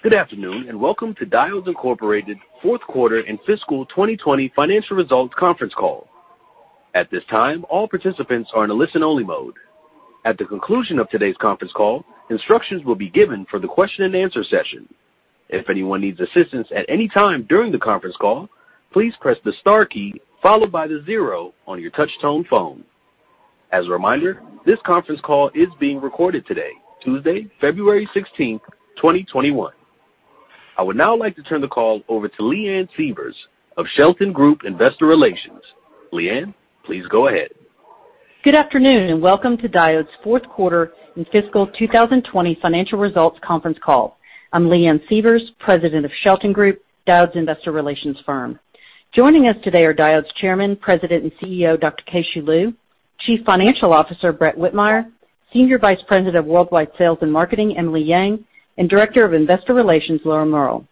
Good afternoon, and welcome to Diodes Incorporated fourth quarter and fiscal 2020 financial results conference call. At the time, all participants are in a listen-only mode. At the conclusion of today's conference call, instructions will be given for the question-and-answer session. If anyone needs assistance at any time during the conference call, please press the star key followed by the zero on your touch-tone phone. As a reminder, this conference call is being recorded today, Tuesday, February 16th, 2021. I would now like to turn the call over to Leanne Sievers of Shelton Group Investor Relations. Leanne, please go ahead. Good afternoon, welcome to Diodes' fourth quarter and fiscal 2020 financial results conference call. I'm Leanne Sievers, President of Shelton Group, Diodes' investor relations firm. Joining us today are Diodes' Chairman, President, and CEO, Dr. Keh-Shew Lu; Chief Financial Officer, Brett Whitmire; Senior Vice President of Worldwide Sales and Marketing, Emily Yang; and Director of Investor Relations, Laura Mehrl.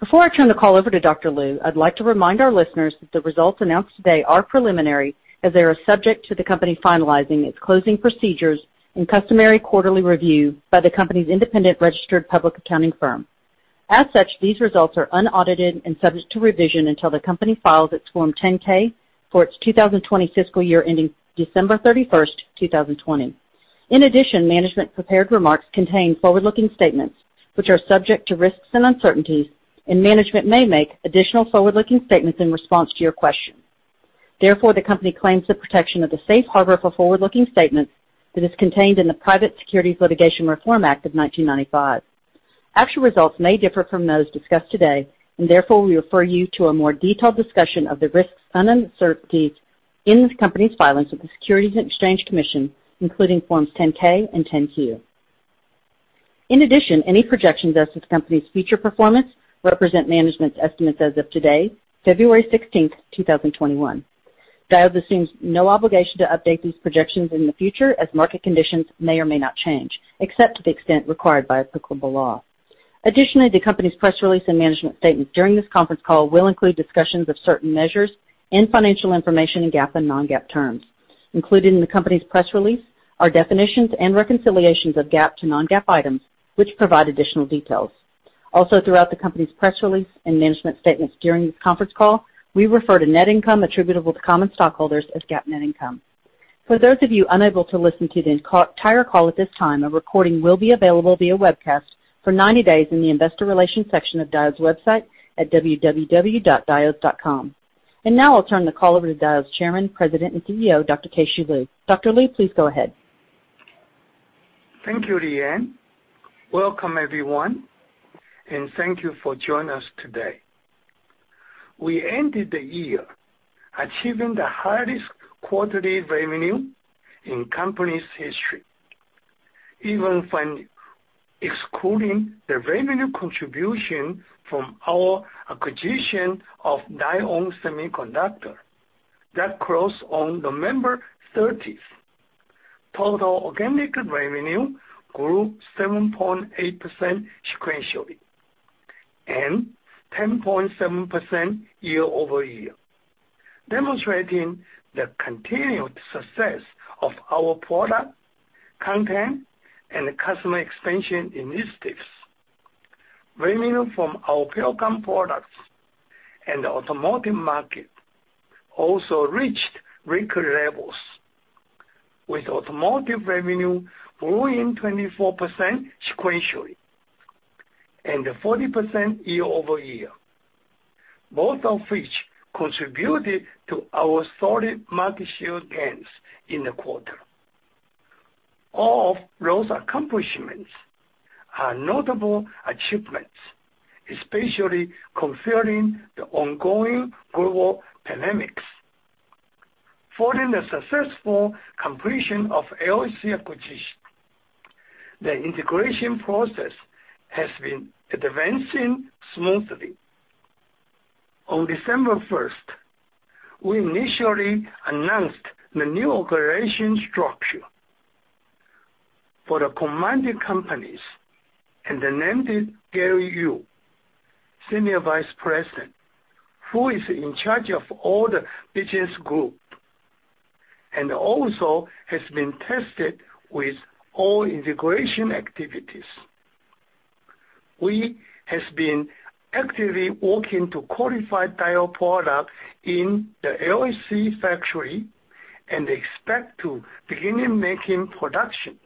Before I turn the call over to Dr. Lu, I'd like to remind our listeners that the results announced today are preliminary, as they are subject to the company finalizing its closing procedures and customary quarterly review by the company's independent registered public accounting firm. As such, these results are unaudited and subject to revision until the company files its Form 10-K for its 2020 fiscal year ending December 31st, 2020. In addition, management prepared remarks contain forward-looking statements which are subject to risks and uncertainties, and management may make additional forward-looking statements in response to your questions. Therefore, the company claims the protection of the safe harbor for forward-looking statements that is contained in the Private Securities Litigation Reform Act of 1995. Actual results may differ from those discussed today, and therefore, we refer you to a more detailed discussion of the risks and uncertainties in this company's filings with the Securities and Exchange Commission, including Forms 10-K and 10-Q. In addition, any projections of this company's future performance represent management's estimates as of today, February 16th, 2021. Diodes assumes no obligation to update these projections in the future as market conditions may or may not change, except to the extent required by applicable law. Additionally, the company's press release and management statements during this conference call will include discussions of certain measures and financial information in GAAP and non-GAAP terms. Included in the company's press release are definitions and reconciliations of GAAP to non-GAAP items, which provide additional details. Also, throughout the company's press release and management statements during this conference call, we refer to net income attributable to common stockholders as GAAP net income. For those of you unable to listen to the entire call at this time, a recording will be available via webcast for 90 days in the investor relations section of Diodes' website at www.diodes.com. Now I'll turn the call over to Diodes' Chairman, President, and CEO, Dr. Keh-Shew Lu. Dr. Lu, please go ahead. Thank you, Leanne. Welcome, everyone, and thank you for joining us today. We ended the year achieving the highest quarterly revenue in company's history, even excluding the revenue contribution from our acquisition of Lite-On Semiconductor that closed on November 30th. Total organic revenue grew 7.8% sequentially and 10.7% year-over-year, demonstrating the continued success of our product content and customer expansion initiatives. Revenue from our telecom products and the automotive market also reached record levels, with automotive revenue growing 24% sequentially and 40% year-over-year. Both of which contributed to our solid market share gains in the quarter. All of those accomplishments are notable achievements, especially considering the ongoing global pandemics. Following the successful completion of LSC acquisition, the integration process has been advancing smoothly. On December 1st, we initially announced the new operation structure for the combined companies and named Gary Yu, Senior Vice President, who is in charge of all the business group, and also has been tasked with all integration activities. We have been actively working to qualify Diodes product in the LSC factory and expect to begin making production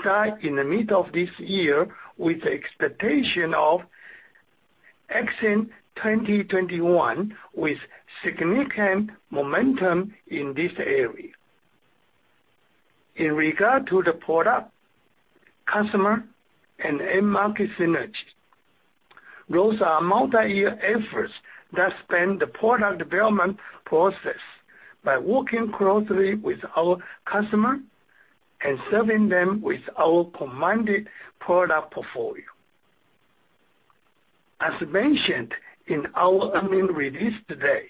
start in the middle of this year with the expectation of exiting 2021 with significant momentum in this area. In regard to the product, customer, and end market synergy, those are multi-year efforts that span the product development process by working closely with our customer and serving them with our combined product portfolio. As mentioned in our earnings release today,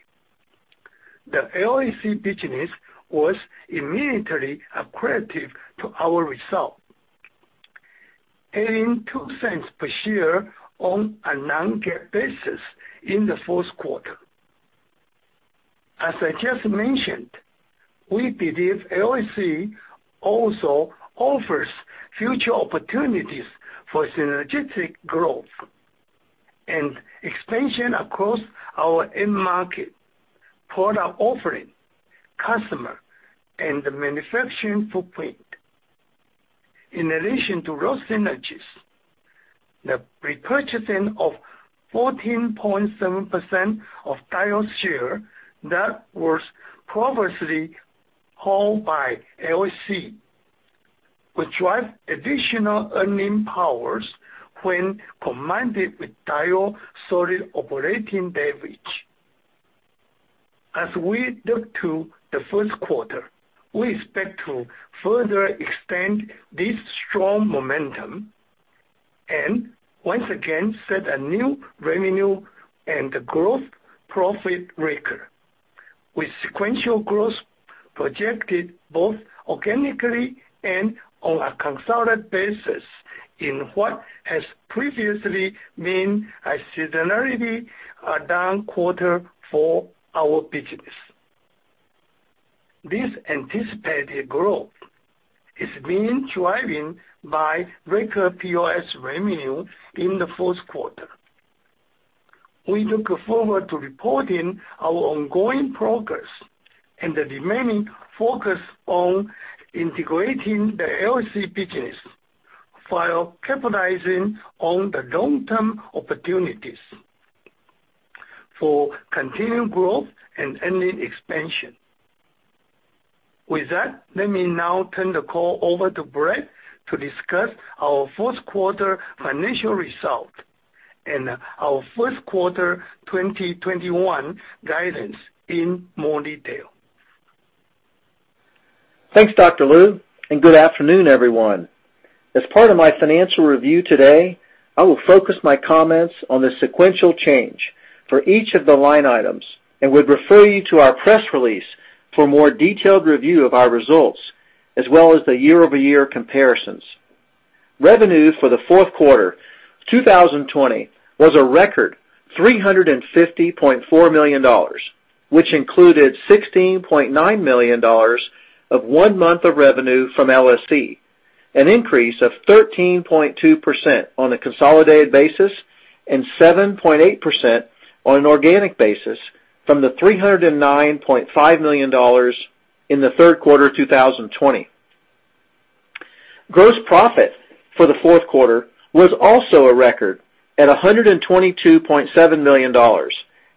the LSC business was immediately accretive to our result, adding $0.02 per share on a non-GAAP basis in the fourth quarter. As I just mentioned, we believe LSC also offers future opportunities for synergistic growth and expansion across our end market, product offering, customer, and the manufacturing footprint. In addition to raw synergies, the repurchasing of 14.7% of Diodes' shares that was previously held by LSC will drive additional earning powers when combined with Diodes' solid operating leverage. As we look to the first quarter, we expect to further extend this strong momentum and once again set a new revenue and growth profit record, with sequential growth projected both organically and on a consolidated basis in what has previously been a seasonally down quarter for our business. This anticipated growth is being driven by record POS revenue in the fourth quarter. We look forward to reporting our ongoing progress and the remaining focus on integrating the LSC business while capitalizing on the long-term opportunities for continued growth and earning expansion. With that, let me now turn the call over to Brett to discuss our fourth quarter financial results and our first quarter 2021 guidance in more detail. Thanks, Dr. Lu, and good afternoon, everyone. As part of my financial review today, I will focus my comments on the sequential change for each of the line items and would refer you to our press release for a more detailed review of our results, as well as the year-over-year comparisons. Revenue for the fourth quarter 2020 was a record $350.4 million, which included $16.9 million of one month of revenue from LSC, an increase of 13.2% on a consolidated basis and 7.8% on an organic basis from the $309.5 million in the third quarter of 2020. Gross profit for the fourth quarter was also a record at $122.7 million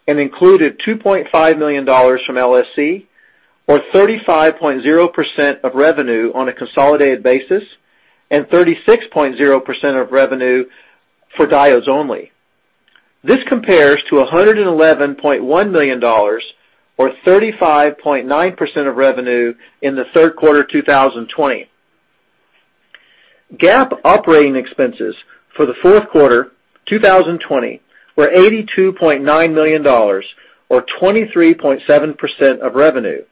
and included $2.5 million from LSC, or 35.0% of revenue on a consolidated basis and 36.0% of revenue for Diodes only. This compares to $111.1 million or 35.9% of revenue in the third quarter of 2020. GAAP operating expenses for the fourth quarter 2020 were $82.9 million or 23.7% of revenue,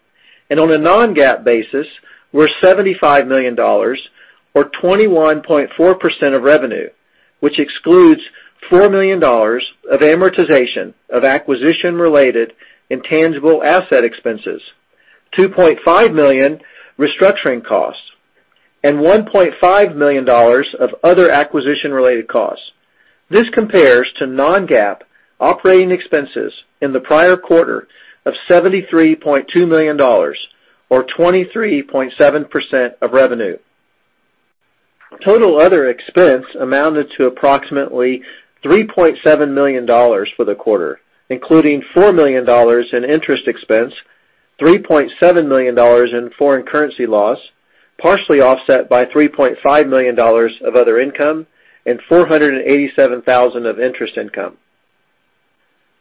and on a non-GAAP basis were $75 million or 21.4% of revenue, which excludes $4 million of amortization of acquisition-related intangible asset expenses, $2.5 million restructuring costs, and $1.5 million of other acquisition-related costs. This compares to non-GAAP operating expenses in the prior quarter of $73.2 million or 23.7% of revenue. Total other expense amounted to approximately $3.7 million for the quarter, including $4 million in interest expense, $3.7 million in foreign currency loss, partially offset by $3.5 million of other income and $487,000 of interest income.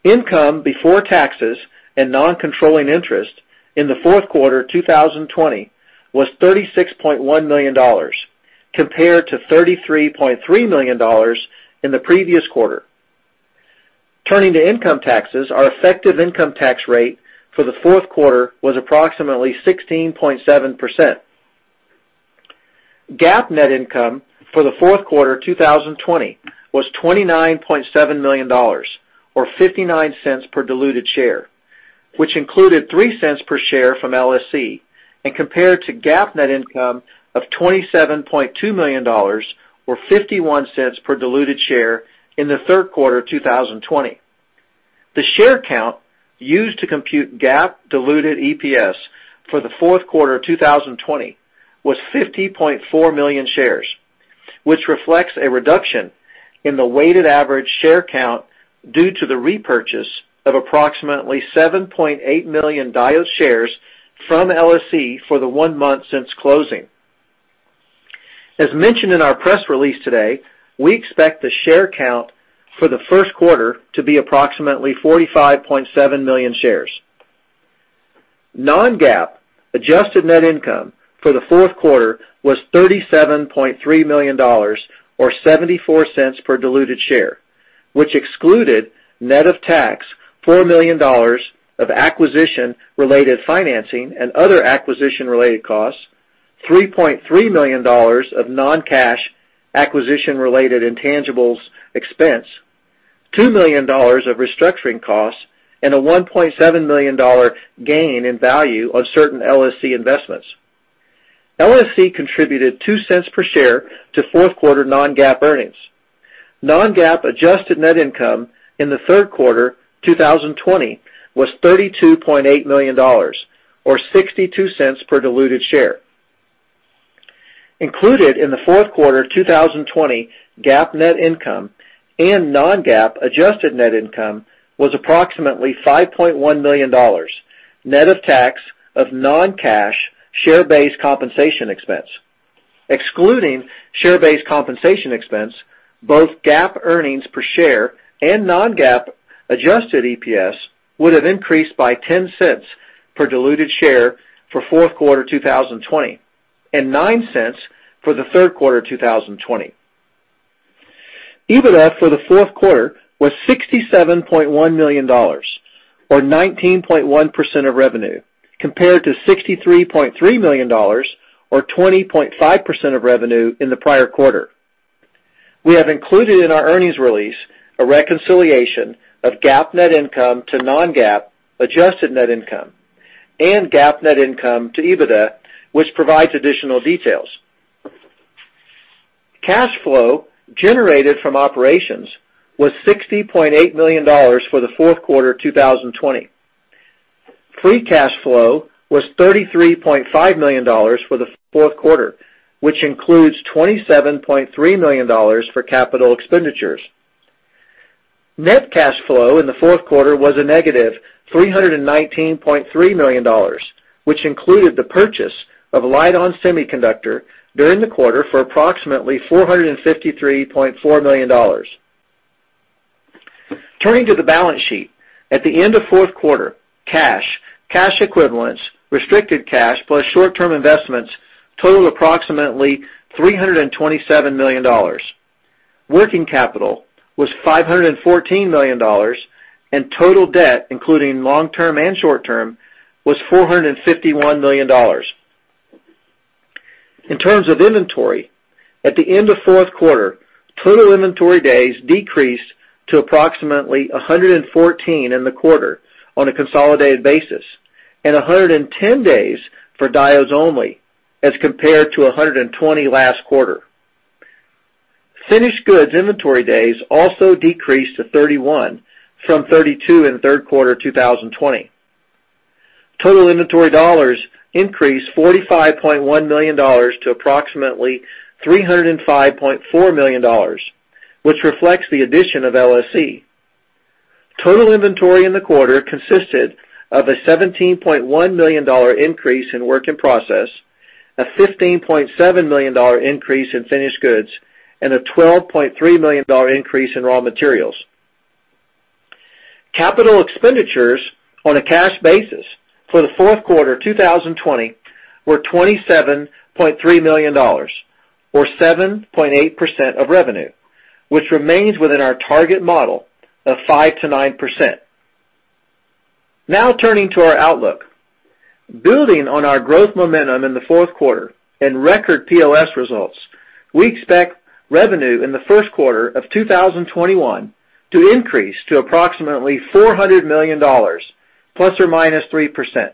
Income before taxes and non-controlling interest in the fourth quarter 2020 was $36.1 million compared to $33.3 million in the previous quarter. Turning to income taxes, our effective income tax rate for the fourth quarter was approximately 16.7%. GAAP net income for the fourth quarter 2020 was $29.7 million or $0.59 per diluted share, which included $0.03 per share from LSC and compared to GAAP net income of $27.2 million or $0.51 per diluted share in the third quarter of 2020. The share count used to compute GAAP diluted EPS for the fourth quarter 2020 was 50.4 million shares, which reflects a reduction in the weighted average share count due to the repurchase of approximately 7.8 million Diodes shares from LSC for the one month since closing. As mentioned in our press release today, we expect the share count for the first quarter to be approximately 45.7 million shares. Non-GAAP adjusted net income for the fourth quarter was $37.3 million or $0.74 per diluted share, which excluded net of tax $4 million of acquisition-related financing and other acquisition-related costs, $3.3 million of non-cash acquisition-related intangibles expense, $2 million of restructuring costs, and a $1.7 million gain in value of certain LSC investments. LSC contributed $0.02 per share to fourth quarter non-GAAP earnings. Non-GAAP adjusted net income in the third quarter 2020 was $32.8 million, or $0.62 per diluted share. Included in the fourth quarter 2020 GAAP net income and non-GAAP adjusted net income was approximately $5.1 million, net of tax of non-cash share-based compensation expense. Excluding share-based compensation expense, both GAAP earnings per share and non-GAAP adjusted EPS would've increased by $0.10 per diluted share for fourth quarter 2020, and $0.09 for the third quarter 2020. EBITDA for the fourth quarter was $67.1 million, or 19.1% of revenue, compared to $63.3 million, or 20.5% of revenue in the prior quarter. We have included in our earnings release a reconciliation of GAAP net income to non-GAAP adjusted net income, and GAAP net income to EBITDA, which provides additional details. Cash flow generated from operations was $60.8 million for the fourth quarter 2020. Free cash flow was $33.5 million for the fourth quarter, which includes $27.3 million for capital expenditures. Net cash flow in the fourth quarter was a -$319.3 million, which included the purchase of Lite-On Semiconductor during the quarter for approximately $453.4 million. Turning to the balance sheet. At the end of fourth quarter, cash equivalents, restricted cash, plus short-term investments totaled approximately $327 million. Working capital was $514 million, and total debt, including long-term and short-term, was $451 million. In terms of inventory, at the end of fourth quarter, total inventory days decreased to approximately 114 in the quarter on a consolidated basis, and 110 days for Diodes only, as compared to 120 last quarter. Finished goods inventory days also decreased to 31 from 32 in third quarter 2020. Total inventory dollars increased $45.1 million to approximately $305.4 million, which reflects the addition of LSC. Total inventory in the quarter consisted of a $17.1 million increase in work in process, a $15.7 million increase in finished goods, and a $12.3 million increase in raw materials. Capital expenditures on a cash basis for the fourth quarter 2020 were $27.3 million, or 7.8% of revenue, which remains within our target model of 5%-9%. Now, turning to our outlook. Building on our growth momentum in the fourth quarter and record POS results, we expect revenue in the first quarter of 2021 to increase to approximately $400 million, ±3%,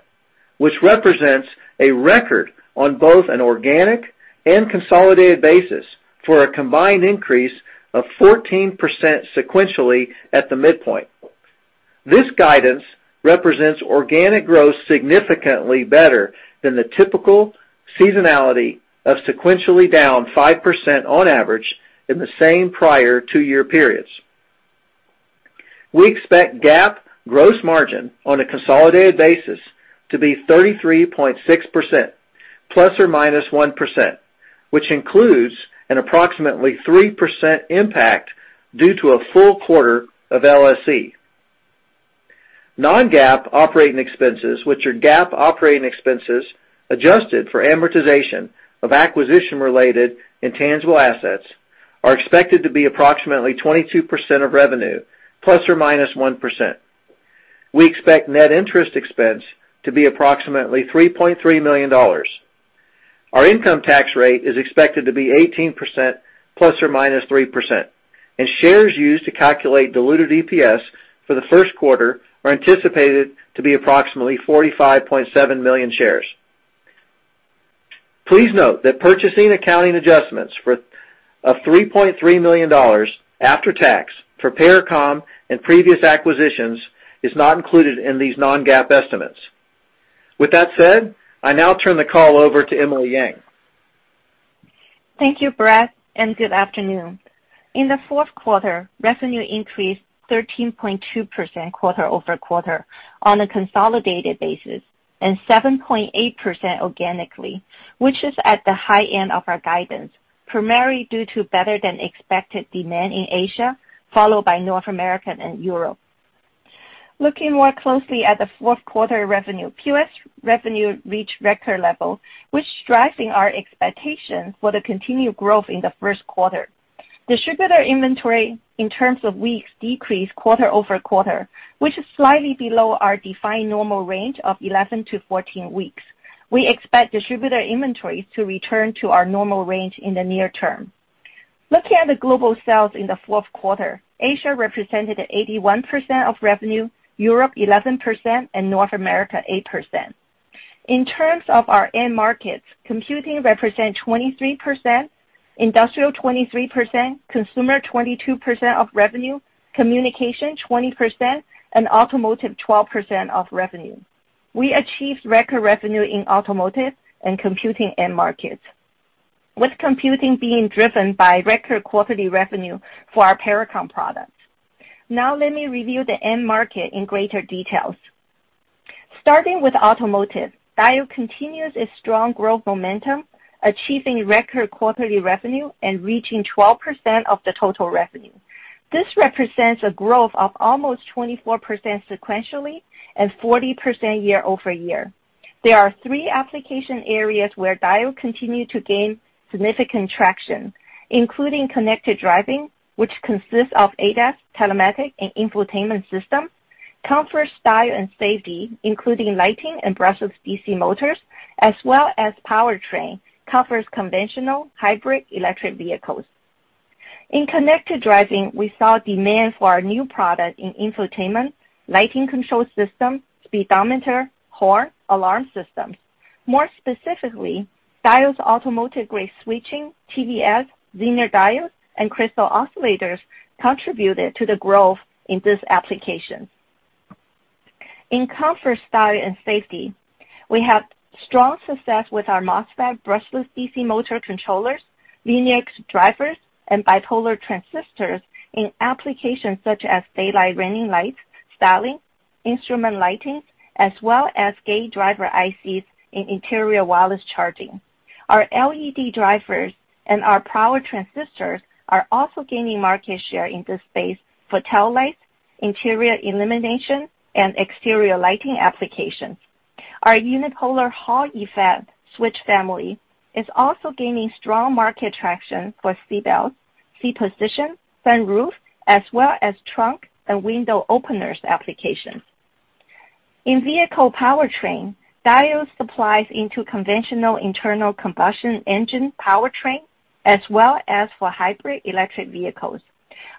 which represents a record on both an organic and consolidated basis for a combined increase of 14% sequentially at the midpoint. This guidance represents organic growth significantly better than the typical seasonality of sequentially down 5% on average in the same prior two-year periods. We expect GAAP gross margin on a consolidated basis to be 33.6%, ±1%, which includes an approximately 3% impact due to a full quarter of LSC. Non-GAAP operating expenses, which are GAAP operating expenses adjusted for amortization of acquisition-related intangible assets, are expected to be approximately 22% of revenue, ±1%. We expect net interest expense to be approximately $3.3 million. Our income tax rate is expected to be 18% ± 3%, and shares used to calculate diluted EPS for the first quarter are anticipated to be approximately 45.7 million shares. Please note that purchasing accounting adjustments of $3.3 million after tax for Pericom and previous acquisitions is not included in these non-GAAP estimates. With that said, I now turn the call over to Emily Yang. Thank you, Brett, and good afternoon. In the fourth quarter, revenue increased 13.2% quarter-over-quarter on a consolidated basis, and 7.8% organically, which is at the high end of our guidance, primarily due to better than expected demand in Asia, followed by North America and Europe. Looking more closely at the fourth quarter revenue, POS revenue reached record level, which is driving our expectation for the continued growth in the first quarter. Distributor inventory in terms of weeks decreased quarter-over-quarter, which is slightly below our defined normal range of 11-14 weeks. We expect distributor inventories to return to our normal range in the near term. Looking at the global sales in the fourth quarter, Asia represented 81% of revenue, Europe 11%, and North America 8%. In terms of our end markets, computing represents 23%, industrial 23%, consumer 22% of revenue, communication 20%, and automotive 12% of revenue. We achieved record revenue in automotive and computing end markets, with computing being driven by record quarterly revenue for our Pericom products. Let me review the end market in greater detail. Starting with automotive, Diodes continues its strong growth momentum, achieving record quarterly revenue and reaching 12% of the total revenue. This represents a growth of almost 24% sequentially and 40% year-over-year. There are three application areas where Diodes continues to gain significant traction, including connected driving, which consists of ADAS, telematics, and infotainment systems, comfort, style, and safety, including lighting and brushless DC motors, as well as powertrain covers conventional hybrid electric vehicles. In connected driving, we saw demand for our new product in infotainment, lighting control systems, speedometer, horn, alarm systems. More specifically, Diodes automotive-grade switching, TVS, Zener diodes, and crystal oscillators contributed to the growth in this application. In comfort, style, and safety, we have strong success with our MOSFET brushless DC motor controllers, linear drivers, and bipolar transistors in applications such as daylight running lights, styling, instrument lighting, as well as gate driver ICs in interior wireless charging. Our LED drivers and our power transistors are also gaining market share in this space for tail lights, interior illumination, and exterior lighting applications. Our unipolar Hall effect switch family is also gaining strong market traction for seatbelts, seat position, sunroof, as well as trunk and window openers applications. In vehicle powertrain, Diodes supplies into conventional internal combustion engine powertrain, as well as for hybrid electric vehicles.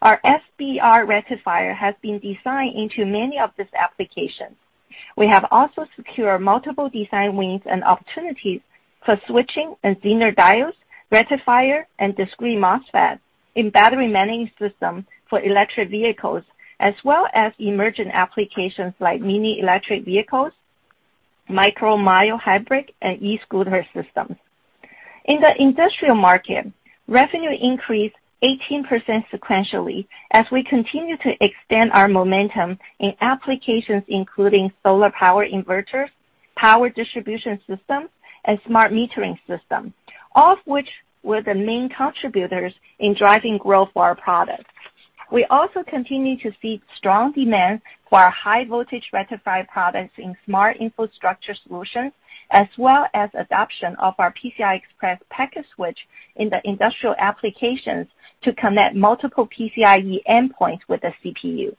Our SBR rectifier has been designed into many of these applications. We have also secured multiple design wins and opportunities for switching and Zener diodes, rectifier, and discrete MOSFET in battery management system for electric vehicles, as well as emerging applications like mini-electric vehicles, micro/mild hybrid, and e-scooter systems. In the industrial market, revenue increased 18% sequentially as we continue to extend our momentum in applications including solar power inverters, power distribution systems, and smart metering systems, all of which were the main contributors in driving growth for our products. We also continue to see strong demand for our high-voltage rectifier products in smart infrastructure solutions, as well as adoption of our PCI Express packet switch in the industrial applications to connect multiple PCIe endpoints with the CPU.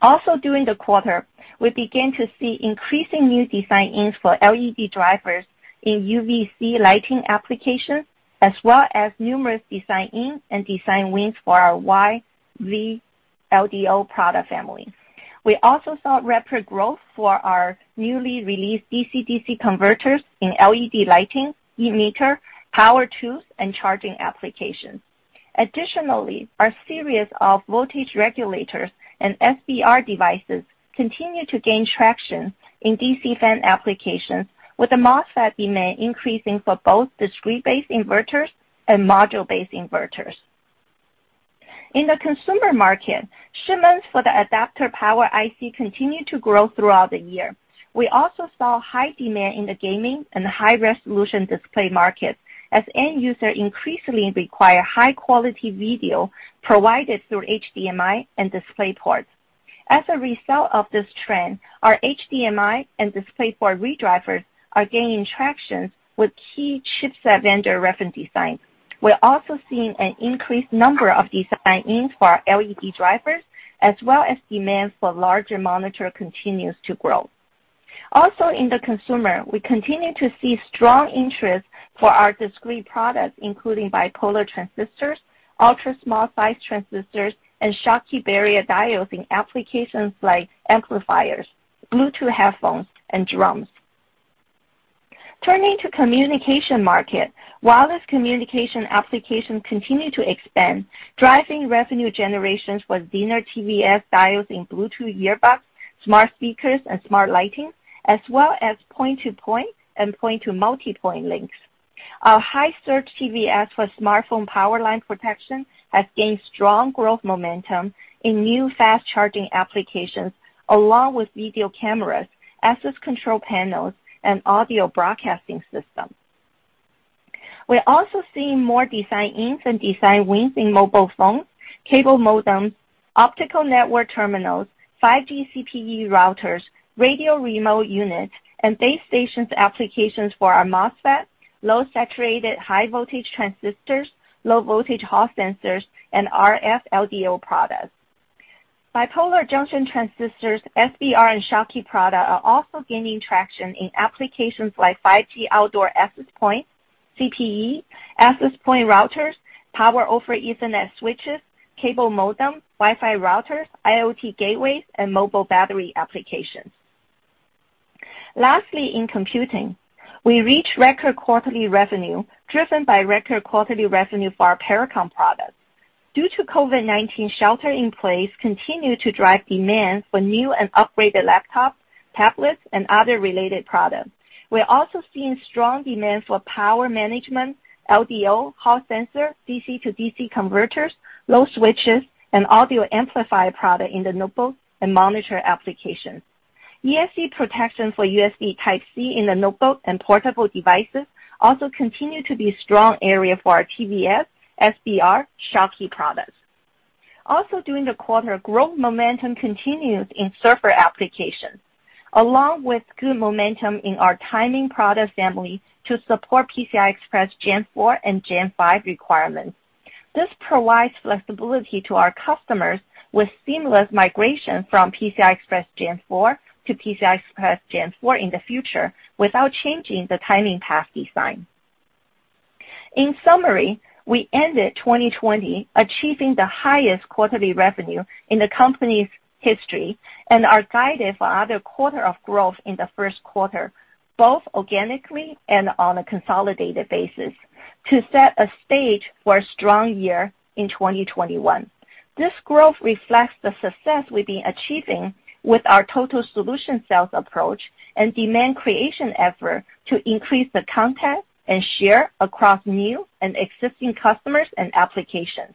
Also during the quarter, we began to see increasing new design-ins for LED drivers in UVC lighting applications, as well as numerous design-ins and design wins for our ZLDO product family. We also saw record growth for our newly released DC-DC converters in LED lighting, e-meter, power tools, and charging applications. Additionally, our series of voltage regulators and SBR devices continue to gain traction in DC fan applications with the MOSFET demand increasing for both discrete-based inverters and module-based inverters. In the consumer market, shipments for the adapter power IC continued to grow throughout the year. We also saw high demand in the gaming and high-resolution display markets as end user increasingly require high-quality video provided through HDMI and DisplayPort. As a result of this trend, our HDMI and DisplayPort redrivers are gaining traction with key chipset vendor reference designs. We're also seeing an increased number of design-ins for our LED drivers, as well as demand for larger monitor continues to grow. Also in the consumer, we continue to see strong interest for our discrete products, including bipolar transistors, ultra-small size transistors, and Schottky barrier diodes in applications like amplifiers, Bluetooth headphones, and drones. Turning to communication market. Wireless communication applications continue to expand, driving revenue generations for Zener/TVS diodes in Bluetooth earbuds, smart speakers, and smart lighting, as well as point-to-point and point-to-multipoint links. Our high surge TVS for smartphone power line protection has gained strong growth momentum in new fast charging applications, along with video cameras, access control panels, and audio broadcasting systems. We're also seeing more design-ins and design wins in mobile phones, cable modems, optical network terminals, 5G CPE routers, radio remote units, and base stations applications for our MOSFET, low saturated high-voltage transistors, low-voltage Hall sensors, and RF LDO products. Bipolar junction transistors, SBR, and Schottky products are also gaining traction in applications like 5G outdoor access points, CPE, access point routers, Power over Ethernet switches, cable modems, Wi-Fi routers, IoT gateways, and mobile battery applications. In computing, we reached record quarterly revenue, driven by record quarterly revenue for our Pericom products, due to COVID-19 shelter in place continuing to drive demand for new and upgraded laptops, tablets, and other related products. We're also seeing strong demand for power management, LDO, Hall sensor, DC-DC converters, load switches, and audio amplifier products in the notebook and monitor applications. ESD protection for USB Type-C in the notebook and portable devices also continue to be a strong area for our TVS, SBR, Schottky products. During the quarter, growth momentum continued in server applications, along with good momentum in our timing product family to support PCI Express Gen4 and Gen5 requirements. This provides flexibility to our customers with seamless migration from PCI Express Gen4 to PCI Express Gen4 in the future without changing the timing path design. We ended 2020 achieving the highest quarterly revenue in the company's history and are guided for another quarter of growth in the first quarter, both organically and on a consolidated basis, to set a stage for a strong year in 2021. This growth reflects the success we've been achieving with our total solution sales approach and demand creation effort to increase the content and share across new and existing customers and applications.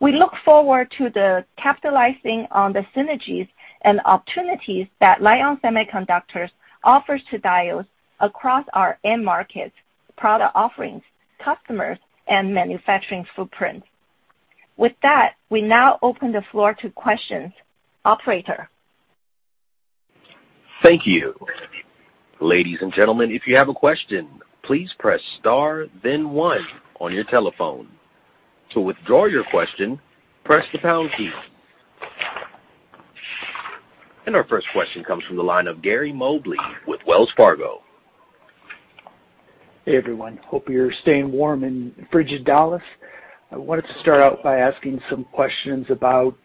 We look forward to capitalizing on the synergies and opportunities that Lite-On Semiconductor offers to Diodes across our end markets, product offerings, customers, and manufacturing footprint. With that, we now open the floor to questions. Operator? Thank you. Ladies and gentlemen, if you have a question, please press star then one on your telephone. To withdraw your question, press the pound key. Our first question comes from the line of Gary Mobley with Wells Fargo. Hey, everyone. Hope you're staying warm in frigid Dallas. I wanted to start out by asking some questions about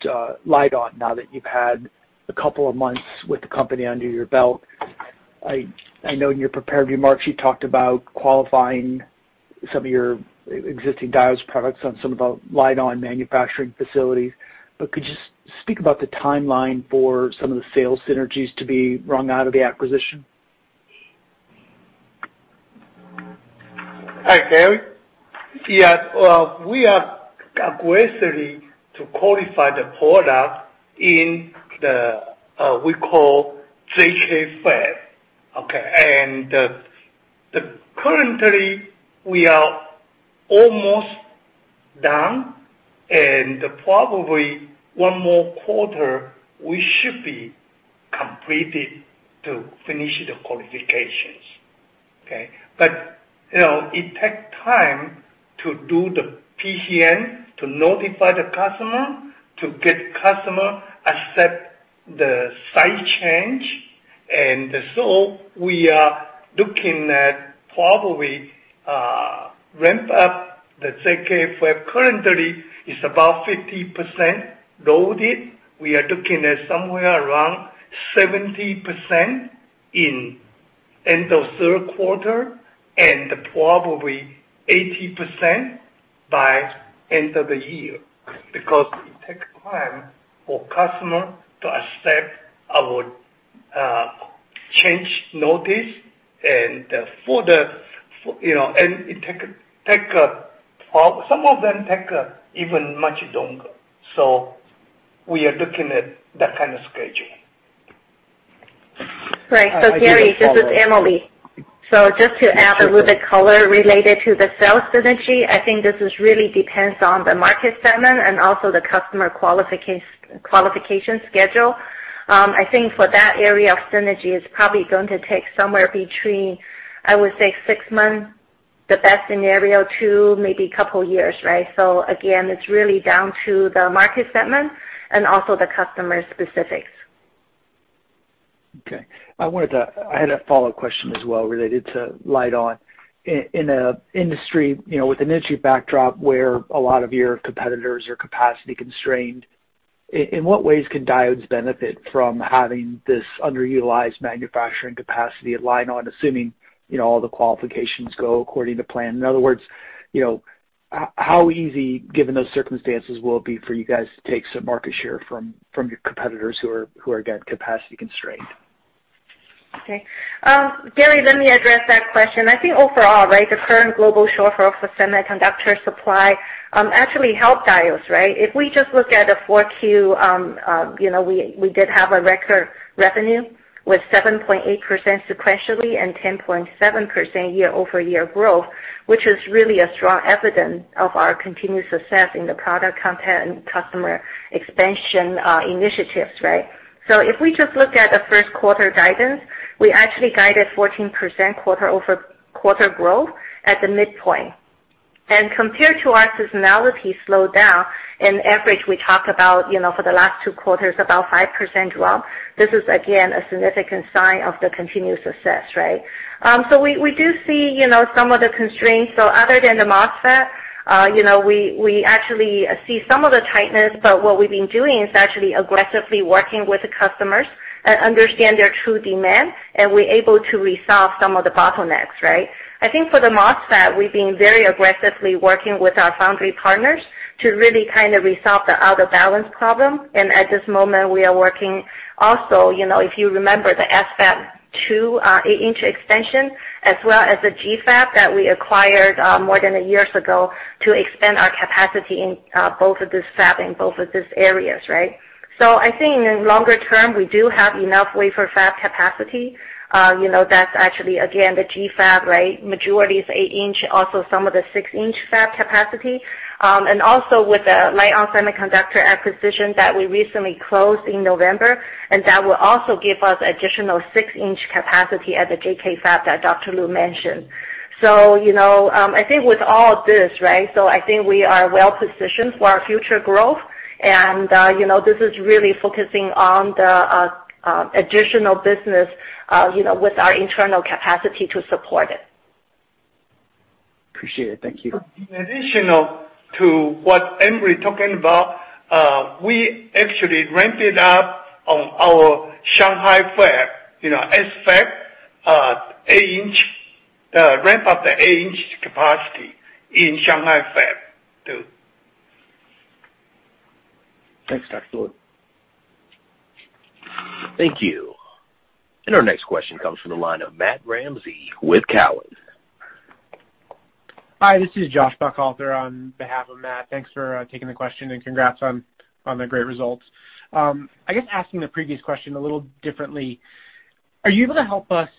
Lite-On now that you've had a couple of months with the company under your belt. I know in your prepared remarks, you talked about qualifying some of your existing Diodes products on some of the Lite-On manufacturing facilities, but could you speak about the timeline for some of the sales synergies to be wrung out of the acquisition? Hi, Gary. Yes. We are aggressively to qualify the product in the, we call JKFAB, okay? Currently, we are almost done, and probably one more quarter, we should be completed to finish the qualifications, okay? It takes time to do the PCN, to notify the customer, to get customer accept the site change. We are looking at probably ramp up the JKFAB. Currently, it's about 50% loaded. We are looking at somewhere around 70% in end of third quarter and probably 80% by end of the year, because it takes time for customer to accept our change notice. Some of them take even much longer. We are looking at that kind of schedule. Right. Gary, this is Emily. Just to add a little bit color related to the sales synergy, I think this is really depends on the market segment and also the customer qualification schedule. I think for that area of synergy, it's probably going to take somewhere between, I would say six months, the best scenario, to maybe a couple of years, right? Again, it's really down to the market segment and also the customer specifics. Okay. I had a follow-up question as well related to Lite-On. With an industry backdrop where a lot of your competitors are capacity constrained, in what ways can Diodes benefit from having this underutilized manufacturing capacity at Lite-On, assuming all the qualifications go according to plan? In other words, how easy, given those circumstances, will it be for you guys to take some market share from your competitors who are, again, capacity constrained? Gary, let me address that question. I think overall, right, the current global shortfall for semiconductor supply actually helped Diodes, right? If we just look at the 4Q, we did have a record revenue with 7.8% sequentially and 10.7% year-over-year growth, which is really a strong evidence of our continued success in the product content and customer expansion initiatives, right? If we just look at the first quarter guidance, we actually guided 14% quarter-over-quarter growth at the midpoint. Compared to our seasonality slowdown, in average, we talked about, for the last two quarters, about 5% drop. This is again, a significant sign of the continued success, right? We do see some of the constraints. Other than the MOSFET, we actually see some of the tightness. What we've been doing is actually aggressively working with the customers and understand their true demand, and we're able to resolve some of the bottlenecks. I think for the MOSFET, we've been very aggressively working with our foundry partners to really kind of resolve the out-of-balance problem. At this moment, we are working also, if you remember, the SFAB2 8-inch expansion as well as the GFAB that we acquired more than a years ago to expand our capacity in both of this fab in both of these areas. I think in the longer term, we do have enough wafer fab capacity. That's actually, again, the GFAB. Majority is 8-inch, also some of the 6-inch fab capacity. Also with the Lite-On Semiconductor acquisition that we recently closed in November, that will also give us additional 6-inch capacity at the JKFAB that Dr. Lu mentioned. I think with all of this, right, we are well-positioned for our future growth. This is really focusing on the additional business with our internal capacity to support it. Appreciate it. Thank you. In addition to what Emily talking about, we actually ramped it up on our Shanghai Fab, SFAB, 8-inch. Ramp up the 8-inch capacity in Shanghai Fab 2. Thanks, Dr. Lu. Thank you. Our next question comes from the line of Matt Ramsay with Cowen. Hi, this is Josh Buchalter on behalf of Matt. Thanks for taking the question. Congrats on the great results. I guess asking the previous question a little differently, are you able to help us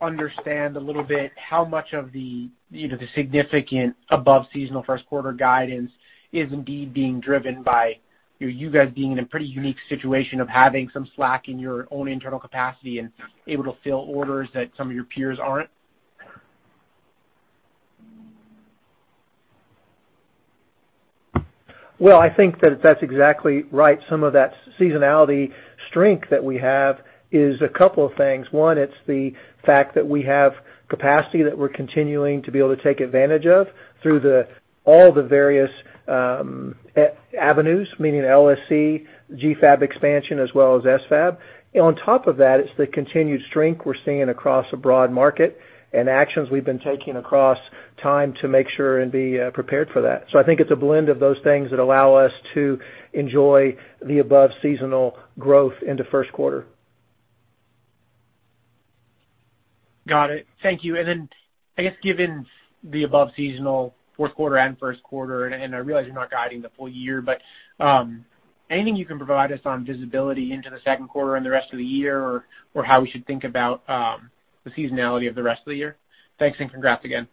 understand a little bit how much of the significant above-seasonal first quarter guidance is indeed being driven by you guys being in a pretty unique situation of having some slack in your own internal capacity and able to fill orders that some of your peers aren't? Well, I think that that's exactly right. Some of that seasonality strength that we have is a couple of things. One, it's the fact that we have capacity that we're continuing to be able to take advantage of through all the various avenues, meaning LSC, GFAB expansion, as well as SFAB. On top of that, it's the continued strength we're seeing across a broad market and actions we've been taking across time to make sure and be prepared for that. I think it's a blend of those things that allow us to enjoy the above-seasonal growth into first quarter. Got it. Thank you. Then I guess, given the above-seasonal fourth quarter and first quarter, and I realize you're not guiding the full year, but anything you can provide us on visibility into the second quarter and the rest of the year, or how we should think about the seasonality of the rest of the year? Thanks, and congrats again.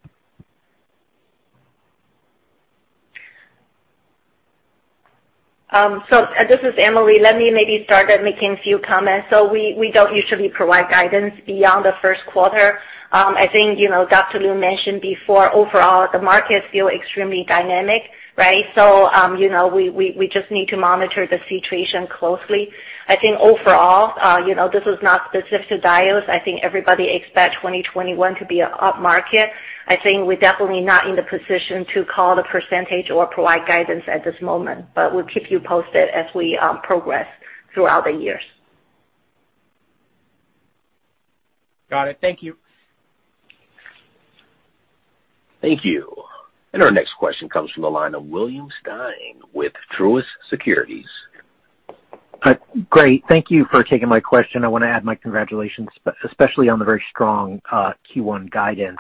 This is Emily. Let me maybe start at making a few comments. We don't usually provide guidance beyond the first quarter. I think Dr. Lu mentioned before, overall, the markets feel extremely dynamic, right? We just need to monitor the situation closely. I think overall, this is not specific to Diodes. I think everybody expect 2021 to be an up-market. I think we're definitely not in the position to call the percentage or provide guidance at this moment, but we'll keep you posted as we progress throughout the years. Got it. Thank you. Thank you. Our next question comes from the line of William Stein with Truist Securities. Great. Thank you for taking my question. I want to add my congratulations, especially on the very strong Q1 guidance.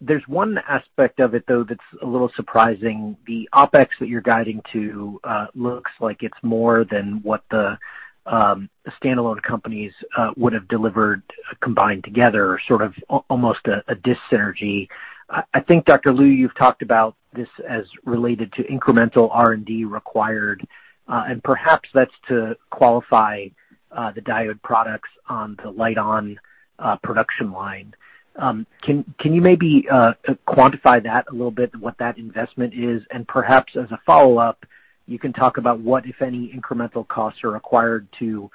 There's one aspect of it, though, that's a little surprising. The OpEx that you're guiding to looks like it's more than what the standalone companies would have delivered combined together, sort of almost a dis-synergy. I think, Dr. Lu, you've talked about this as related to incremental R&D required, and perhaps that's to qualify the Diodes products on the Lite-On production line. Can you maybe quantify that a little bit, what that investment is? Perhaps as a follow-up, you can talk about what, if any, incremental costs are required to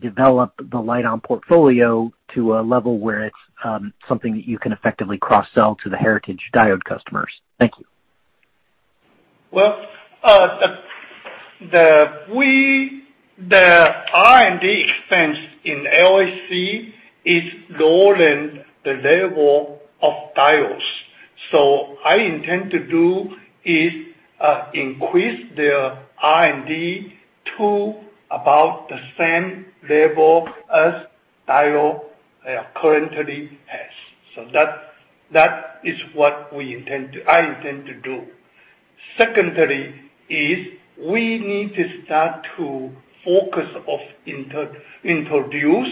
develop the Lite-On portfolio to a level where it's something that you can effectively cross-sell to the heritage Diodes customers. Thank you. Well, the R&D expense in LSC is lower than the level of Diodes. I intend to do is increase their R&D to about the same level as Diodes currently has. That is what I intend to do. Secondly, we need to start to focus of introduce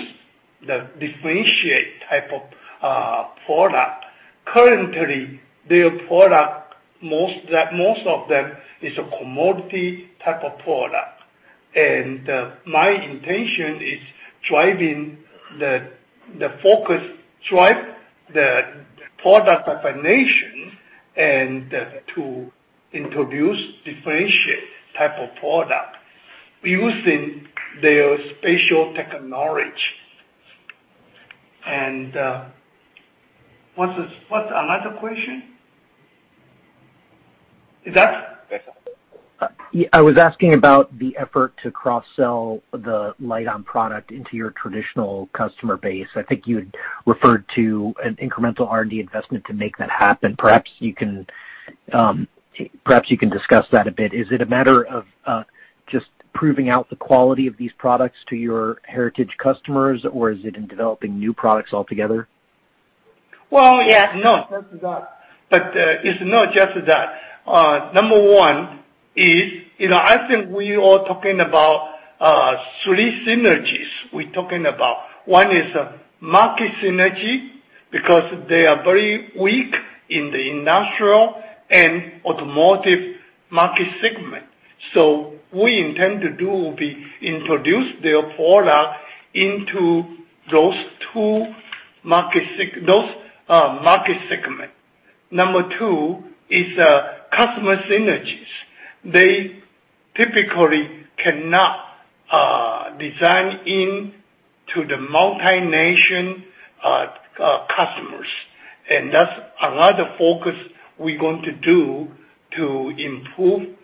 the differentiated type of product. Currently, their product, most of them, is a commodity type of product. My intention is driving the focus, drive the product definition, and to introduce differentiated type of product using their special technology. What's another question? Is that all? I was asking about the effort to cross-sell the Lite-On product into your traditional customer base. I think you had referred to an incremental R&D investment to make that happen. Perhaps you can discuss that a bit. Is it a matter of just proving out the quality of these products to your heritage customers, or is it in developing new products altogether? Well, yeah, no. It's not just that. Number one is, I think we all talking about three synergies. We're talking about one is market synergy, because they are very weak in the industrial and automotive market segment. We intend to do will be introduce their product into those two market segments. Number two is customer synergies. They typically cannot design in to the multi-nation customers. That's another focus we going to do to improve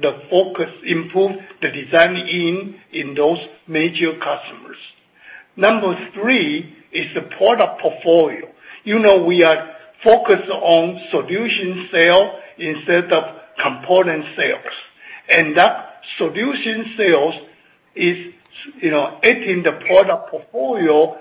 the focus, improve the design-in in those major customers. Number three is the product portfolio. We are focused on solution sale instead of component sales. That solution sales is adding the product portfolio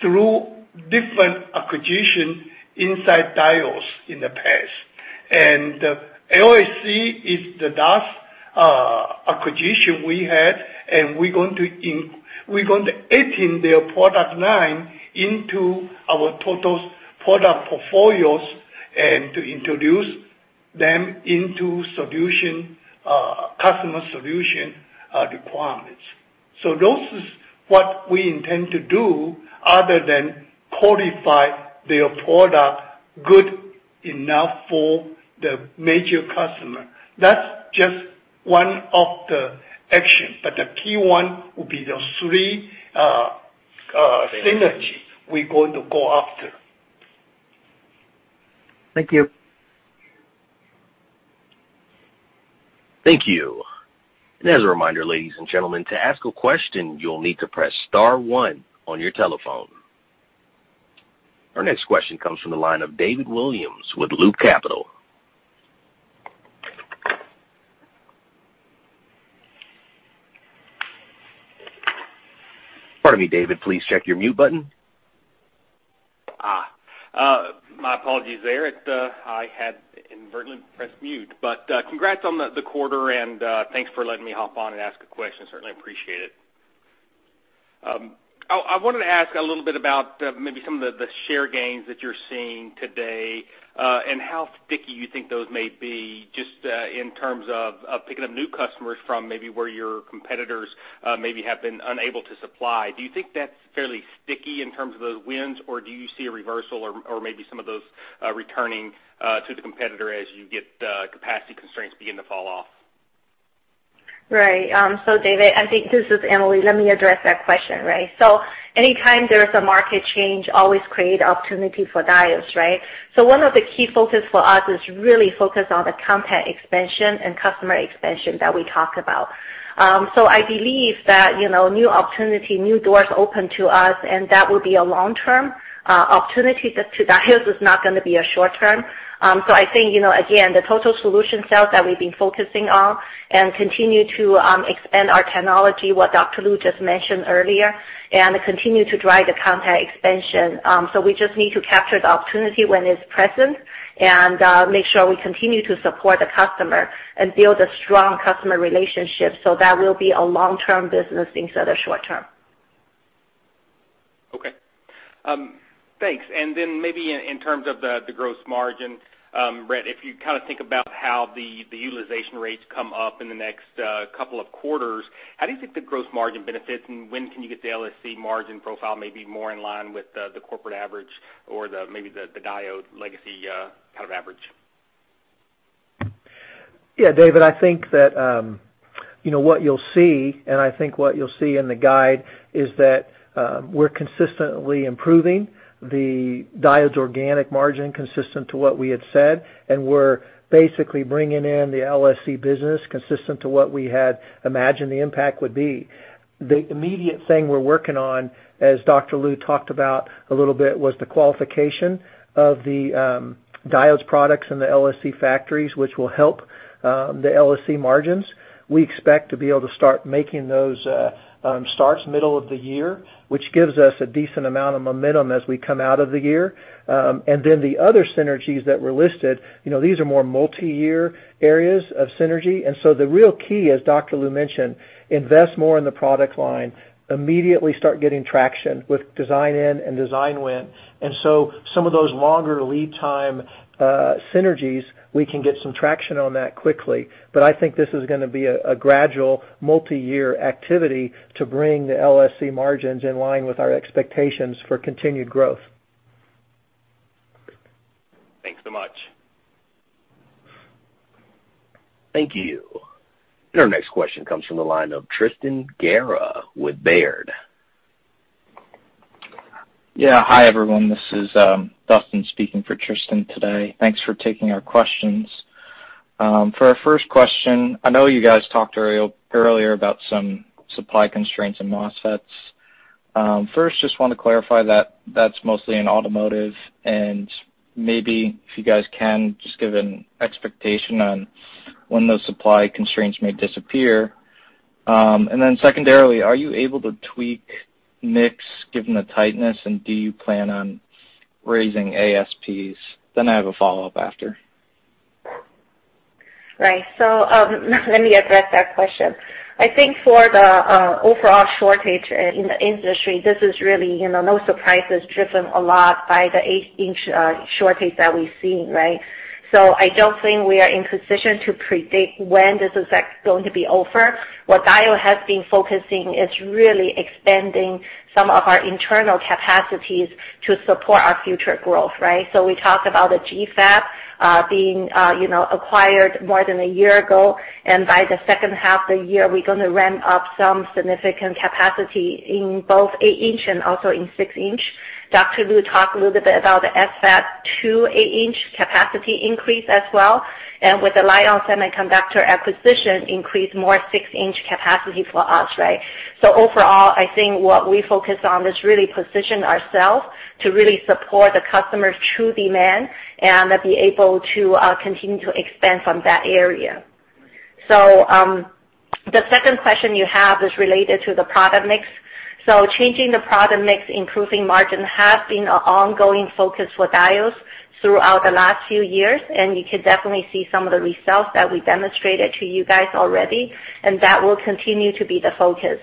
through different acquisition inside Diodes in the past. LSC is the last acquisition we had, and we're going to adding their product line into our total product portfolios and to introduce them into customer solution requirements. Those are what we intend to do other than qualify their product good enough for the major customer. That's just one of the action, but the key one will be the three synergies we going to go after. Thank you. Thank you. As a reminder, ladies and gentlemen, to ask a question, you'll need to press star one on your telephone. Our next question comes from the line of David Williams with Loop Capital. Pardon me, David, please check your mute button. My apologies there. I had inadvertently pressed mute. Congrats on the quarter, and thanks for letting me hop on and ask a question. Certainly appreciate it. I wanted to ask a little bit about maybe some of the share gains that you're seeing today, and how sticky you think those may be, just in terms of picking up new customers from maybe where your competitors maybe have been unable to supply. Do you think that's fairly sticky in terms of those wins, or do you see a reversal or maybe some of those returning to the competitor as you get capacity constraints begin to fall off? Right. David, I think this is Emily. Let me address that question, right. Anytime there is a market change, always create opportunity for Diodes, right? One of the key focus for us is really focus on the content expansion and customer expansion that we talked about. I believe that new opportunity, new doors open to us, and that will be a long-term opportunity to Diodes. It's not going to be a short-term. I think, again, the total solution sales that we've been focusing on and continue to expand our technology, what Dr. Lu just mentioned earlier, and continue to drive the content expansion. We just need to capture the opportunity when it's present and make sure we continue to support the customer and build a strong customer relationship. That will be a long-term business instead of short-term. Okay. Thanks. Then maybe in terms of the gross margin, Brett, if you kind of think about how the utilization rates come up in the next couple of quarters, how do you think the gross margin benefits, and when can you get the LSC margin profile maybe more in line with the corporate average or maybe the Diodes legacy kind of average? Yeah, David, I think that what you'll see, and I think what you'll see in the guide, is that we're consistently improving the Diodes organic margin consistent to what we had said, and we're basically bringing in the LSC business consistent to what we had imagined the impact would be. The immediate thing we're working on, as Dr. Lu talked about a little bit, was the qualification of the Diodes products in the LSC factories, which will help the LSC margins. We expect to be able to start making those start middle of the year, which gives us a decent amount of momentum as we come out of the year. The other synergies that were listed, these are more multi-year areas of synergy. The real key, as Dr. Lu mentioned, invest more in the product line, immediately start getting traction with design in and design win. Some of those longer lead time synergies, we can get some traction on that quickly. I think this is going to be a gradual multi-year activity to bring the LSC margins in line with our expectations for continued growth. Thanks so much. Thank you. Your next question comes from the line of Tristan Gerra with Baird. Yeah. Hi, everyone. This is Dustin speaking for Tristan today. Thanks for taking our questions. For our first question, I know you guys talked earlier about some supply constraints in MOSFETs. First, just want to clarify that that's mostly in automotive, and maybe if you guys can, just give an expectation on when those supply constraints may disappear. Secondarily, are you able to tweak mix given the tightness, and do you plan on raising ASPs? I have a follow-up after. Right. Let me address that question. I think for the overall shortage in the industry, this is really no surprises, driven a lot by the 8-inch shortage that we've seen, right? I don't think we are in position to predict when this is going to be over. What Diodes has been focusing is really expanding some of our internal capacities to support our future growth, right? We talked about the GFAB being acquired more than one year ago, and by the second half of the year, we're going to ramp up some significant capacity in both 8-inch and also in 6-inch. Dr. Lu talked a little bit about the SFAB2 8-inch capacity increase as well. With the Lite-On Semiconductor acquisition, increase more 6-inch capacity for us, right? Overall, I think what we focus on is really position ourselves to really support the customer's true demand and be able to continue to expand from that area. The second question you have is related to the product mix. Changing the product mix, improving margin has been an ongoing focus for Diodes throughout the last few years, and you can definitely see some of the results that we demonstrated to you guys already, and that will continue to be the focus.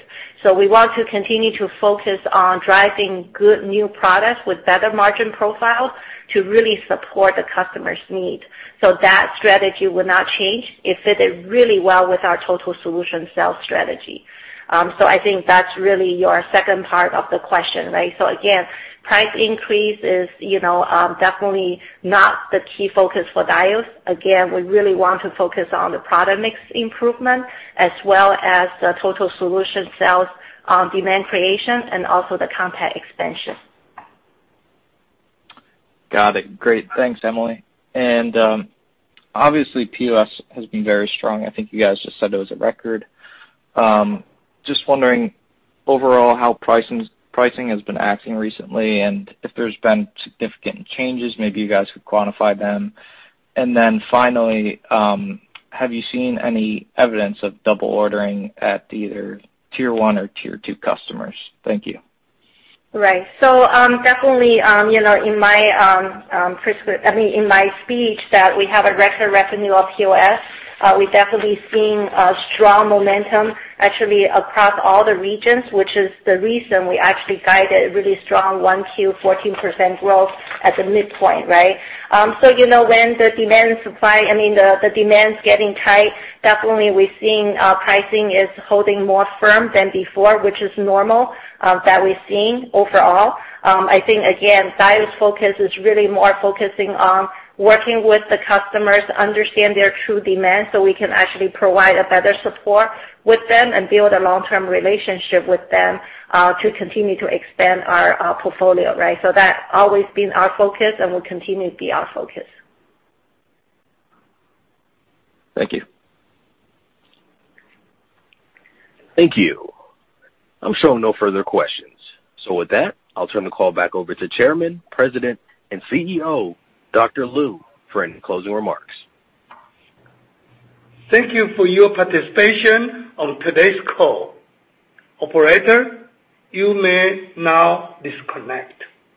We want to continue to focus on driving good new products with better margin profile to really support the customer's needs. That strategy will not change. It fitted really well with our total solution sales strategy. I think that's really your second part of the question, right? Again, price increase is definitely not the key focus for Diodes. We really want to focus on the product mix improvement as well as the total solution sales demand creation and also the content expansion. Got it. Great. Thanks, Emily. Obviously, POS has been very strong. I think you guys just said it was a record. Just wondering overall how pricing has been acting recently, and if there's been significant changes, maybe you guys could quantify them. Then finally, have you seen any evidence of double ordering at either Tier 1 or Tier 2 customers? Thank you. Right. Definitely, in my speech, that we have a record revenue of POS. We've definitely seen a strong momentum actually across all the regions, which is the reason we actually guided a really strong 1Q, 14% growth at the midpoint, right? When the demand is getting tight, definitely we're seeing pricing is holding more firm than before, which is normal that we're seeing overall. I think, again, Diodes' focus is really more focusing on working with the customers, understand their true demand, so we can actually provide a better support with them and build a long-term relationship with them to continue to expand our portfolio, right? That always been our focus and will continue to be our focus. Thank you. Thank you. I'm showing no further questions. With that, I'll turn the call back over to Chairman, President, and CEO, Dr. Lu, for any closing remarks. Thank you for your participation on today's call. Operator, you may now disconnect.